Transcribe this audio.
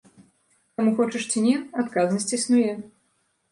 Таму, хочаш ці не, адказнасць існуе.